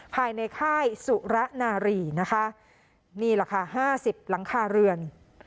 ภายในค่ายสุระนารีนะคะนี่แหละค่ะห้าสิบหลังคาเรือน